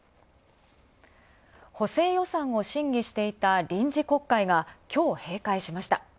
補正予算を審議していた臨時国会が、今日閉会しました。